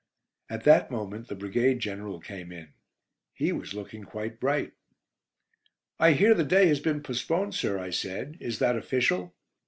At that moment the Brigade General came in. He was looking quite bright. "I hear 'The Day' has been postponed, sir," I said. "Is that official?"